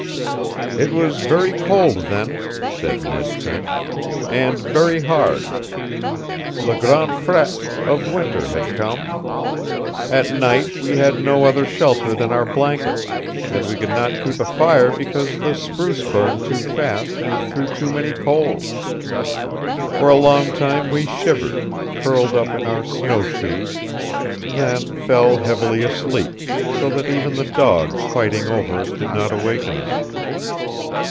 "It was very cold then," said Ned Trent, "and very hard. _Le grand frête_[A] of winter had come. At night we had no other shelter than our blankets, and we could not keep a fire because the spruce burned too fast and threw too many coals. For a long time we shivered, curled up on our snow shoes; then fell heavily asleep, so that even the dogs fighting over us did not awaken us.